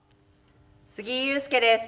杉井勇介です。